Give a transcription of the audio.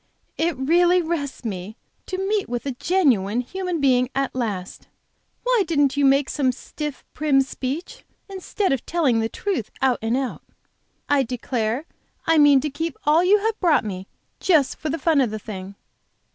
"It really rests me to meet with a genuine human being at last! Why didn't you make some stiff, prim speech, instead of telling the truth out and out? I declare I mean to keep all you have brought me, just for the fun of the thing."